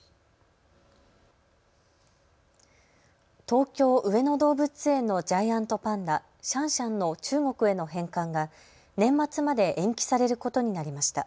東京上野動物園のジャイアントパンダ、シャンシャンの中国への返還が年末まで延期されることになりました。